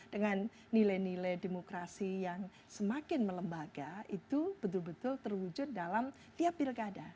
dengan nilai nilai demokrasi yang semakin melembaga itu betul betul terwujud dalam tiap pilkada